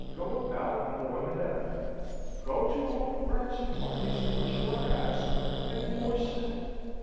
Go about more than ever. Go to all the routs and parties to which you are asked, and to more still.